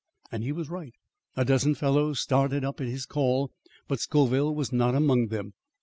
"And he was right. A dozen fellows started up at his call, but Scoville was not among them.